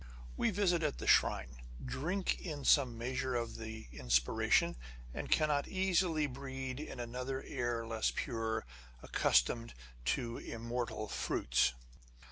We visit at the shrine, drink in some measure of the inspiration, and cannot easily " breathe in other air less pure, accustomed to immortal fruits."